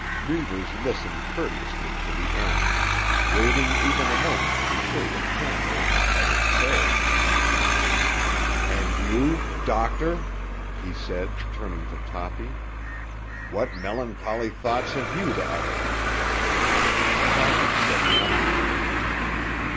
Reivers listened courteously to the end, waiting even a moment to be sure that Campbell had had his say. "And you—doctor?" he said turning to Toppy. "What melancholy thoughts have you to utter?" Toppy said nothing.